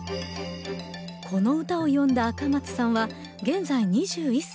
この歌を詠んだ赤松さんは現在２１歳。